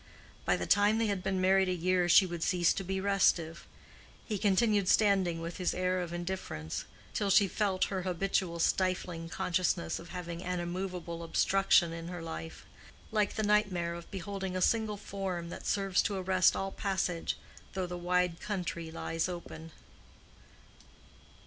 By the time they had been married a year she would cease to be restive. He continued standing with his air of indifference, till she felt her habitual stifling consciousness of having an immovable obstruction in her life, like the nightmare of beholding a single form that serves to arrest all passage though the wide country lies open.